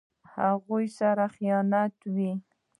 هغوی سره خیانت وي.